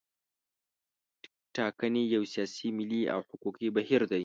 ټاکنې یو سیاسي، ملي او حقوقي بهیر دی.